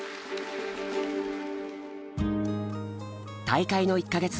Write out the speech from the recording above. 大会の１か月